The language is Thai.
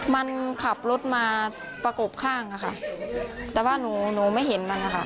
มันขับรถมาประกบข้างอะค่ะแต่ว่าหนูหนูไม่เห็นมันนะคะ